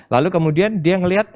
lalu kemudian dia melihat